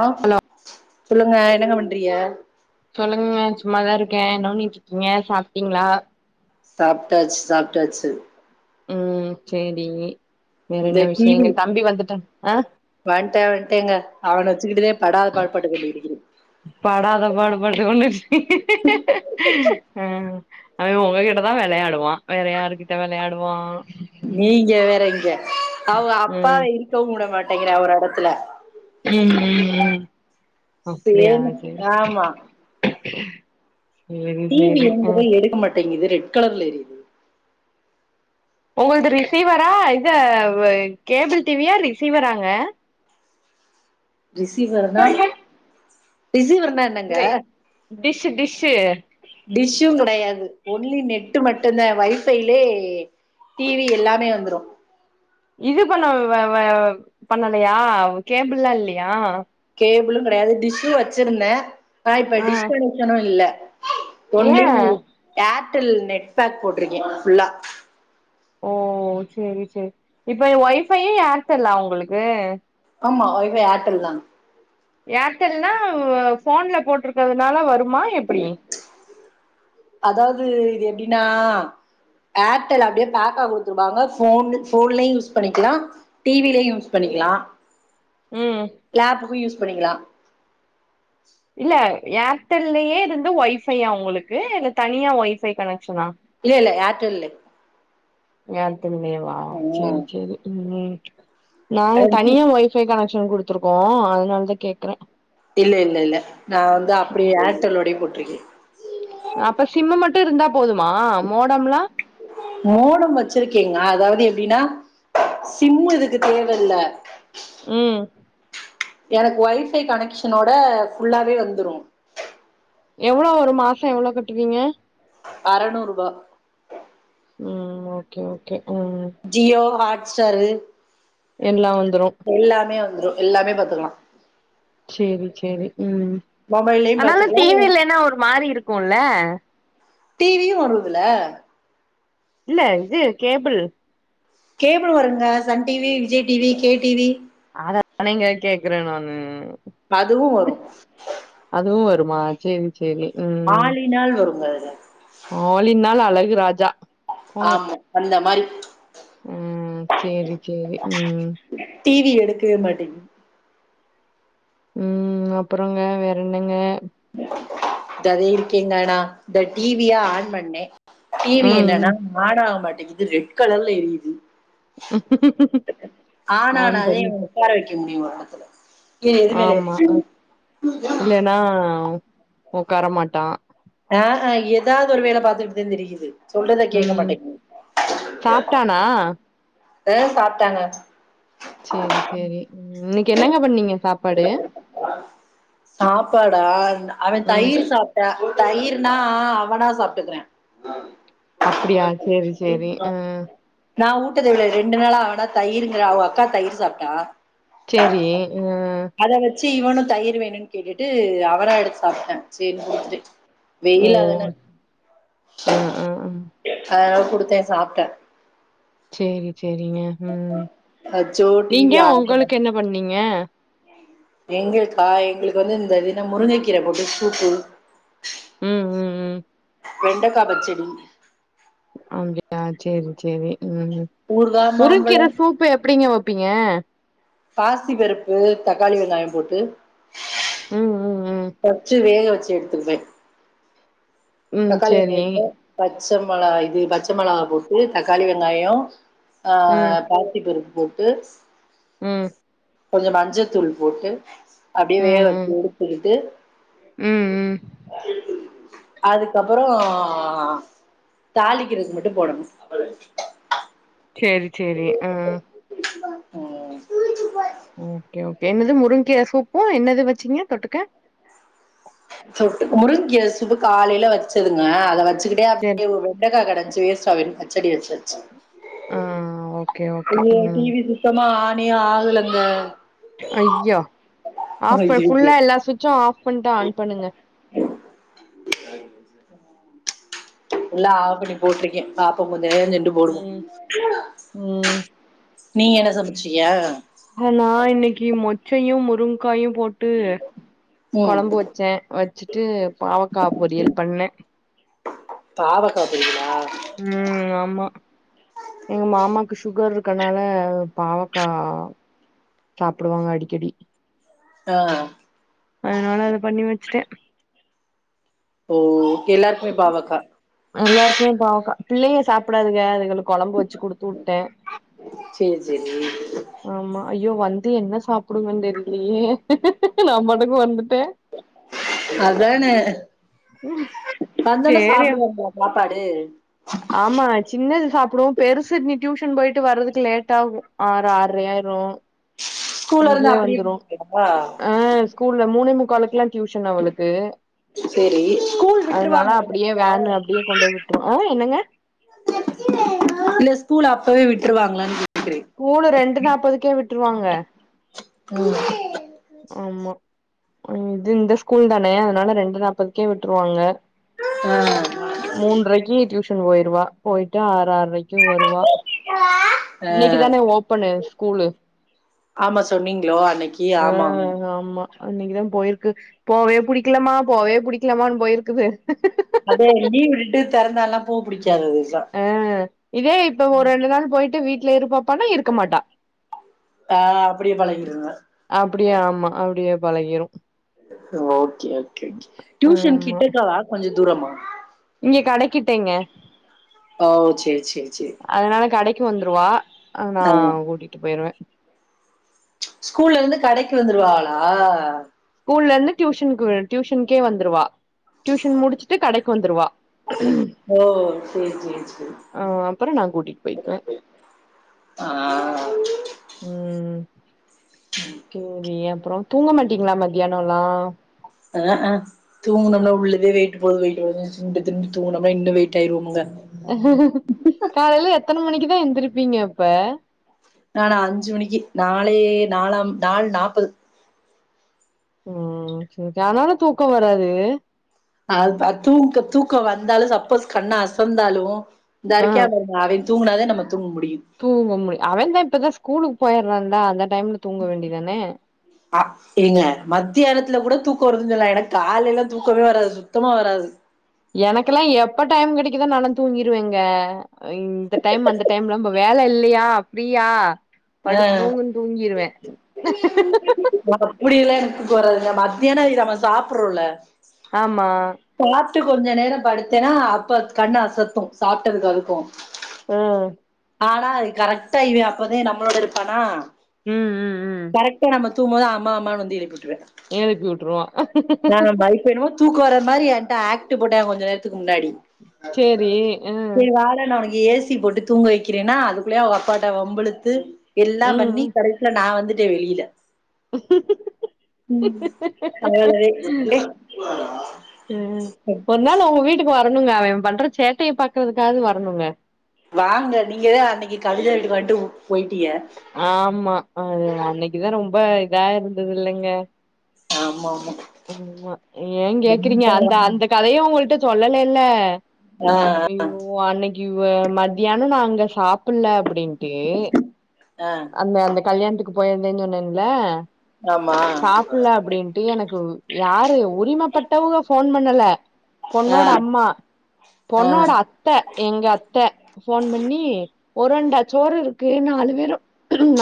ஆ சொல்லுங்க என்னங்க பண்றீங்க சொல்லுங்க மேம் சும்மாதா இருக்கே என்ன பண்ணிட்டு இருக்கீங்க சாப்டீங்களா சாப்ட்டாச்சி சாப்ட்டாச்சி ம் சேரிங்க வேற இந்த என்ன டிவி விஷயங்கள் தம்பி வந்துட்டா ஆ வன்ட்டே வன்ட்டேங்கே அவன வச்சிக்கிட்டுதே படாத பாடுபட்டுக் கொண்டு இருக்கிறே படாத பாடுபட்டுக் கொண்டு வந்துஸ் அவே உங்ககிட்டதா விளையாடுவா வேற யாருக்கிட்ட விளையாடுவா நீங்க வேற இங்க அவங்க அப்பாவ ம் இருக்கவு வூட மாட்டேங்கிறா ஒரு எடத்துல ம் ம் ம் அப்டியா சேம் சேரி ஆமா சேரி டி வி சேரி ஆ என்பதே எடுக்க மாட்டேங்கிது ரெட் கலர்ல எரியுத் உங்கள்து ரிசீவரா இத கேபிள் டிவியா ரிசீவராங்க ரிசிவர்னா ரிசிவர்னா என் வே டிஷ்ஷூ டிஷ்ஷூ டிஷூம் கிடையாது ஒன்லி நெட்டு மட்டும்தா வைஃபையிலே டீவி எல்லாமே வந்துரு இது பண்ண வ வ பண்ணலையா கேபிள் ல்லா இல்லயா கேபுல்லு கெடையாது டிஷ்ஷூ வச்சிருந்தே ஆன இப்ப டிஷ் ம் கனெக்ஷனு இல்ல ஏ ஒன்லி ஏர்டெல் நெட் பேக் போட்டிருக்கே ஃபுல்லா ஓ சேரி சேரி இப்ப வொஃபைய்யே ஏர்டெல்லா உங்களுக்கு ஆமா வைஃபை ஏர்டெல் தா ஏர்டெல்னா ஃபோன்ல போட்ருக்கதுனால வருமா எப்டி அதாவது இது எப்டின்னா ஏர்டெல் அப்படியே பேக்கா குடுத்துருப்பாங்க ஃபோன் ஃபோன்லையூ யூஸ் பண்ணிக்கலா டிவிலையும் யூஸ் பண்ணிக்கலா ம் லேப்க்கூ யூஸ் பண்ணிக்கலா இல்ல ஏர்டெல்லேயே இருந்து வைஃபையா உங்களுக்கு இல்ல தனியா வைஃபை கனெக்ஷனா இல்ல இல்ல ஏர்டெல்லே ஏர்டெல்மே வா சரி ம் சரி ம் நாங்க தனியா வைஃ வொஃபை கனெக்ஷன் குடுத்துருக்கோ அதனாலதா கேக்குறே இல்ல இல்ல இல்ல நா வந்து அப்டியே ஏர்டெல்லோடே போட்டு இருக்கே அப்ப ஷிம்மூ மட்டூ இருந்தா போதுமா மோடம்லா மோடம் வச்சிருக்கேங்க அதாவது எப்டின்னா சிம்மு இதுக்கு தேவ இல்ல ம் எனக்கு வைஃபை கனெக்ஷனோட ஃபுல்லாவே வந்துரூ எவ்ளோ வரூ மாசோ எவ்ளோ கட்டுவீங்க அறநூர்பா ம் ஓகே ஓகே ம் ஜியோ ஹாட்ஸ்டாரு எல்லா வந்துரு எல்லாமே வந்ரு எல்லாமே பாத்துக்லா சேரி சேரி ம் மொபைல்லயு ஆனால பாத்துக்கலா டிவி இல்லன்னா ஒரு மாரி இருக்கும்ல டிவியு வருதுல இல்ல இது கேபிள் கேபிள் வருங்க Sun TV, Vijay TV, K TV. அதத் தானேங்க கேக்குற நானு அதுவு வரும் அதுவு வருமா சேரி சேரி ம் ஆலினால் வருங்க அதுல ஆலின்னால் அழகு ராஜா போங்க ஆமா அந்த மாரி ம் சேரி சேரி ம் டிவி எடுக்கவே மாட்டேங்குது. ம் அப்பறங்க வேறென்னங்க [unintelligible] இருக்கீங்கண்ணா இந்த டிவிய ஆன் பண்ணே டிவி ம் என்னன்னா ம் ஆன் ஆக மாட்டேங்குது ரெட் கலர்ல எரியுது ஆன் ஆன்னானாதே பண்ணி ஒக்கார வைக்க முடியும் ஒரு இடத்துல ஆம்மா இல்லைன்னா ஒக்கார மாட்டா அ ஹ ஏதாவது ஒரு வேலை பாத்துத்துட்டு தான் திரியுது சொல்றத கேட்க ம் மாட்டேங்குது சாப்ட்டானா அ சாப்ட்டாங்க சேரி சேரி இன்னைக்கு என்னங்க பண்ணீங்க சாப்பாடு சாப்பாடா அவன் ம் தயிர் சாப்பிட்டா கயிர்னா அவனா சாப்ட்டுக்கிறே அப்டியா சேரி சேரி ம் நா ஊட்டது எவ்ளவு ரெண்டுநாளா அவனா தயிர்ங்கிற அவன் அக்கா தயிர் சாப்ட்டா சேரி உ அத வச்சு இவனும் தயிர் வேணும்ன்னு கேட்டுட்டு அவனா எடுத்து சாப்ட்டான் சேரின்னு கொடுத்துட்டேன் ஓ வெயிலாதானே அ அ அ அதனால குடுத்தே சாப்ட்டா சேரி சேரிங்க ம் அச்சோ டி நீங்க வி ஆனே உங்களுக்கு என்ன பண்ணீங்க எங்களுக்கா எங்ளுக்கு வந்து இந்த இதென்ன முருங்கக்கீரை போட்டு சூப்பு ம் ம் ம் வெண்டைக்கா பச்சடி அப்டியா சேரி சேரி ம் ஊறுகா முருங்ககீர மாம்பழம் சூப்பு எப்டிங்க வைப் வெப்பீங்க பாசி பருப்பு தக்காளி வெங்காய போட்டு ம் ம் ம் வெச்சு வேக வச்சு எடுத்துருவேன் ம் தக்காளி சேரி வெங்காயத்து பச்ச மெளகா இது பச்சை மெளா போட்டு தக்காளி வெங்காயொ அ ம் பாசிப்பருப்பு போட்டு ம் கொஞ்சொ மஞ்சத்தூள் போட்டு அப்டே ம் வேக வச்சு ம் எடுத்து [inaudible] ம் ம் அதுக்கப்பறோ தாளிக்கிறதுக்கு மட்டுபோடனும் பொயர்ச் சேரி சேரி ம் [unintelligible] பூச்சி பாரு ஓகே ஓகே என்னது முருங்கைகீர சூப்பும் என்னது வச்சீங்க தொட்டுக்க தொட்டுக்க முருங்கீர சூப்பு காலையில வச்சதுங்க அத வச்சுக்கிட்டே அப் சரி ஒர் ரவுண் வெண்டக்கா கெடைஞ்ச்சு சோ அவின் பச்சடி வச்சாச்சு ஆ ஓகே ஓகே அய்யயோ ம் டிவி போச்சு சுத்தமா ஆன்னே ஆகலங்க ஐயா ஆஃப் ஐயையோ ஃபுல்லா எல்லா விட்சும் ஆஃப் பண்ணிட்டு ஆன் பண்ணுங்க ஹ எல்லா ஆஃப் பண்ணி போட்ருக்கே பாப்ப கொஞ்சோ நேர செண்டு போடுவோ ம் ம் நீ என்ன சமைச்சியா ஆ நா இன்னைக்கி மொச்சையும் முருங்காயும் போட் டு ம் கொழம்பு வச்சேன் வச்சுட்டு பாவக்கா பொரியல் பண்ண பாவக்கா பொரியலா ம் ஆமா எங்க மாமாக்கு சுகர் இருக்கனால பாவக்கா சாப்படுவாங்க அடிக்கடி ஆ அதனால அத பண்ணி வச்சுட்ட ஓ எல்லாருக்குமே பாவக்கா எல்லாருக்குமே பாவக்கா பிள்ளையங்க சாப்டாதுங்க அதுகலுக் கொழம்பு வச்சு குடுத்து விட்ட சேர் சேரி ஆமா ஐயோ வந்து என்ன சாப்பிடுங்கன் தெரிலியே நா பாட்டுக்கு வந்துட்ட அதானே வந்தொன்னே சாப்டு வந்துரு சாப்பாடு ஆமாங்க சின்னது சாப்புடும் பெருசு நீ டியூஷன் போயிட்டு வர்றதுக்கு லேட் ஆகும் ஆறு ஆற்ரை ஆயிரும் ஸ்கூல்ல இங்கே இருந்து அப்படியே வந்துரும் இருந்துங்களா ஆ ஸ்கூல்ல மூணே முக்காலுக்குல்லா டியூஷன் அவளுக்கு சரி ஸ்கூல் அதனால விட்டுருவாங்க அந்த அப்டியே வேன் பையன் அப்டியே கொண்டோய் விட்ரும் ஆ என்னங்க இல்ல ஸ்கூல் அப்பவே விட்ருவாங்ளான் கேக் கூலு ரெண்டு நாப்பதுக்கே விட்ருவாங்க ஆமா ம் இது இந்த ஸ்கூல் தானே அதனால ரெண்டு நாப்பதுக்கே விட்ருவாங்க ஆ மூன்றரைக்கு டியூஷன் போயிருவா போயிட்டு ஆற ஆற்ரைக்கு வருவா ஆஹ இன்னைக்கு தான ஓபன்னு ஸ்கூலு ஆமா சொன்னீங்ளோ அன்னைக்கி ஆமா ஆமா இன்னிக்குதா போயிருக்கு போவே புடிக்கலாமா போவே புடிக்கலாமான் போயிருக்குது மறுப்டே லீவ் விட்டுட்டு தெறந்தா எல்லாம் பூ புடிச்சா ரோசா ஆ இதே இப்ப ஒரு ரெண்டு நாள் போயிட்டு வீட்ல இரு பாப்பான்னா இருக்க மாட்டா ஆ அப்டியே பழகிருங்க அப்டியா ஆமா அப்டியே பழகிரும் ஓகே ஓகே கே டியூஷன் ஆமா கிட்டக்கவா கொஞ்சோ தூரமா இங்க கடைக்கிட்டேங்க ஓ சேரி சேரி சேரி அதனால கடைக்கு வந்துருவா நா ஆ கூட்டிட்டு போயிருவ ஸ்கூல்லருந்து கடைக்கு வந்துருவாளா ஸ்கூல்லருந்து டியூஷனுக்கு டியூஷனுக்கே வந்துருவா டியூஷன் முடிச்சுட்டு கடைக்கு வந்ருவா ஓ செர் செர் செர் ஆ அப்புறோ நா கூட்டிட் போய்க்குவே ஆ ம் ஓகே ஓகே சேரி அப்றம் தூங்க மாட்டீங்ளா மத்யானல்லா ஆ அ தூங்கணம்னா உள்ளவே வெயிட்டு போகும் வெயிட்டு ஏறும் தின்ட்டு தின்ட்டு தூங்கணுனா இன்னும் வெயிட் ஆயிருவோம்ங்க காலையில எத்தன மணிக்குதா எந்திருப்பீங்க அப்ப நானா அஞ்சு மணிக்கு நாளே நாலாம் நாலு நாப்பது ம் செர் தா ஆனால தூக்க வராது அத் அது தூக்க தூக்கோ வந்தாலு சப்போஸ் கண்ண அசந்தாலு இந்தா ஆ இருக்கியா பாருங்க அவே தூங்குனா தே நம்ம தூங் முடியு தூங்க முடியு அவன்தா இப்பதா ஸ்கூலுக்கு போயிட்றான்ல அந்த டைம்ல தூங்க வேண்டிதானே அ ஏங்க மத்தியானத்துல கூட தூக்கொ வருதுன் சொல்லா எனக்கு காலேல தூக்கமே வராது சுத்தமா வராது எனக்கெல்லா எப்ப டைம் கெடைக்குதோ நால்லா தூங்கிருவேங்க இந்த டைம் அந்த டைம்லா பா வேல இல்லயா ஃப்ரீயா ஆ படுத்து தூங்குன் தூங்கிருவே முடியுல எனக்குப் போர்றதுங்க மத்தியானொ நம்ம சாப்புற்றோல்ல ஆமா சாப்ட்டு கொஞ்சொ நேரொ படுத்தேன்னா அப்ப கண்ணு அசத்து சாப்ட்டதுக்கு அதுக்கூ அ ஆனா அது கரெக்ட்டா இவே அப்பதெ நம்மளோட இருப்பானா ம் ம் ம் கரெக்ட்டா நம்ம தூம்மோது அம்மா அம்மானு வந்து எழுப்பி விட்ரே ஏழுப்பி விட்டுருவா இப்போ என்னமோ தூக்கோ வர்ற மாதிரி என்ட்ட ஆக்ட் போட்டா கொஞ்சொ நேரத்துக்கு முன்னாடி சேரி அ சேரி வாடா நா உனக்கி ஏ சி போட்டு தூங்க வக்கிறேன்னா அதுக்குள்ளயே அவ அப்பாட்ட வம்பிழுத்து எல்லா பண்ணி ம் கடை சில நா வந்துட்டே வெளியில உம் நழைய நழை ஏ ம் ஒரு நாள் அவுங்க வீட்டுக் வரணுங்க அவேன் பண்ற சேட்டைய பாக்குறதுக்காவது வரணுங்க வாங்க நீங்க தா அன்னக்கி கவிதா வீட்டுக்கு வன்ட்டு பொய்ட்டீக ஆம்மா அது அன்னைக்குதா ரொம்ப இதா இருந்தது இல்லங்க ஆம்மா ஆம்மா ஆம்மா ஏ கேக்குறீங்க அந்த அந்த கதய உங்ககிட்ட சொல்ல லேல்ல ஆமா ஆமா ஆ இ ஒ அன்னைக்கு இவ மத்தியானொ நா அங்க சாப்புல்ல அப்புடின்ட்டு ஆ அந்த அந்த கல்யாணத்துக்கு போயிருந்தேன்னு சொன்னேன்ல ஆமா சாப்புட்ல அப்பிடின்ட்டு எனக்கு கும் யாரு உரிமப்பட்டவுங்க ஃபோன் பண்ணல ஆ பொண்ணோட அம்மா ஆ பொண்ணோட அத்த எங்க அத்த ஃபோன் பண்ணி ஒரு அண்டா சோறு இருக்கு நாலு பேரூ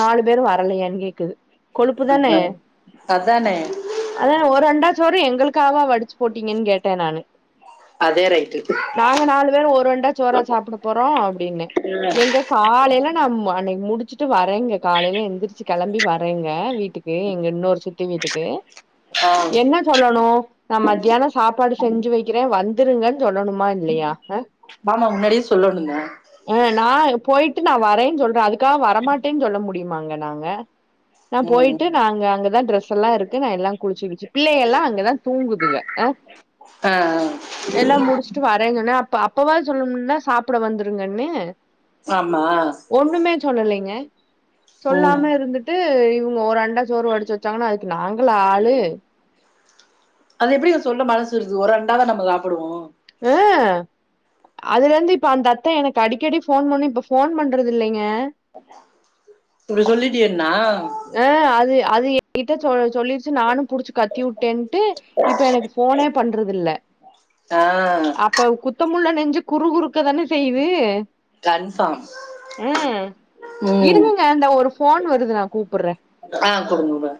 நாலு பேரு வரலயான் கேக்குது கொழுப்பு தானே ஆமா அதானே அதா ஒரு அண்டாச் சோறு எங்களுக்காவா வடிச்சு போட்டீங்கன் கேட்டே நானு அதே ரைட்டு நாங்க நாலு பேரு ஒரு அண்டா சோறா சாப்பிடப் போறோ அப்பிடின்னே எங்கே காலேல நா ம் அன்னைக் முடிச்சு ட்டு வரேங்க காலையில எந்திரிச்சு கெளம்பி வரேங்க வீட்டுக்கு எங்க இன்னோரு சித்தி வீட்டுக்கு அ என்ன சொல்லணு நா மத்தியானொ சாப்பாடு செஞ்சு வைக்கிறெ வந்துருங்கன் சொல்லணுமா இல்லையா ஹ ஆமா முன்னாடியே சொல்லணுங்க ஆ நா போயிட்டு நா வரேன் சொல்ற அதுக்காக வரமாட்டேன்னு சொல்ல முடியுமாங்க நாங்க நா ம் போயிட்டு நா அங்க அங்கதா டிரெஸ்ஸெல்லா இருக்கு நா எல்லா குளிச்சு கிளிச்சு பிள்ளைைகல்லா அங்கதா தூங்குதுங்க அ ஆ எல்லா முடிச்சுட்டு வரேன் சொன்னே அப்ப அப்பவாது சொல்லனும்ல சாப்பிட வந்துருங்கன்னு ஆமா ஒண்ணுமே சொல்லலெங்க ம் சொல்லாம இருந்துட் ட்டு இவங்க ஒரு அண்டா சோறு வடிச்சு வெச்சாங்கன்னா அதுக்கு நாங்களா ஆளு அது எப்புடிங்க சொல்ல மனசு வருது ஒரு அண்டாவா நம்ப சாப்புடுவோ அ அதுலருந்து இப்ப அந்த அத்த எனக்கு அடிக்கடி ஃபோன் பண்ணு இப்ப ஃபோன் பண்றது இல்லைங்க இப்டி சொல்லிட்டியேன்னா அ அது அது எ கிட்ட சொ சொல்லிருச்சு நானு புடிச்சு கத்திவுட்டேன்ட்டு இப்ப எனக்கு போனே பண்றது இல்ல ஆ அப்ப குத்த குத்தமுள்ள நெஞ்சு குறு குறுக்க தானே செய்து கன்ஃபார்ம் ம் ம் இருங்கங்க இந்த ஒரு ஃபோன் வருதுனா ஆ கொடுங்க உட